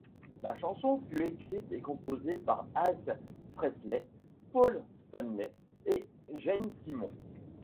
La chanson fut écrite et composée par Ace Frehley, Paul Stanley et Gene Simmons.